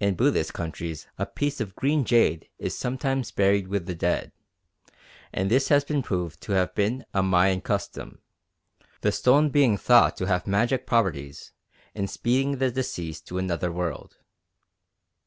In Buddhist countries a piece of green jade is sometimes buried with the dead, and this has been proved to have been a Mayan custom, the stone being thought to have magic properties in speeding the deceased to another world.